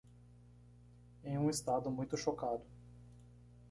Em um estado muito chocado